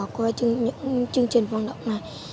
qua những chương trình vận động này